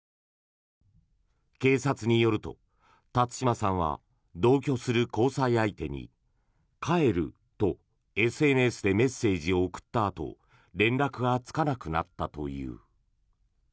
警察によると、辰島さんは同居する交際相手に帰るとＳＮＳでメッセージを送ったあと連絡がつかなくなったという。